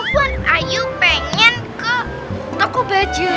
aku dan ayu pengen ke toko baju